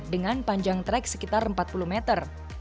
dengan panjang trek sekitar empat puluh meter